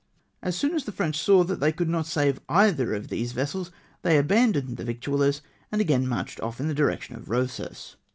As soon as the French T 4 398 LETTER OF LORD COCHRANE. saw that they could not save either of these vessels, they abandoned the victuallers, and again marched off in the direction of Eosas.